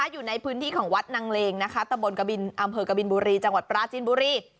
อยู่ในพื้นที่ของวัดนางเลงนะคะตะบนกะบินอำเภอกบินบุรีจังหวัดปราจินบุรี